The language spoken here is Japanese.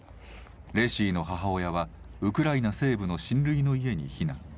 レシィの母親はウクライナ西部の親類の家に避難。